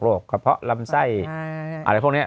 กระเพาะลำไส้อะไรพวกนี้